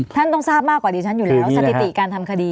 ท่านต้องทราบมากกว่าดิฉันอยู่แล้วสถิติการทำคดี